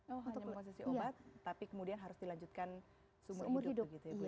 oh hanya mengonsusi obat tapi kemudian harus dilanjutkan seumur hidup begitu ya bu ya